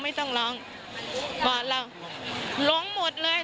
บอกเราหลงหมดเลย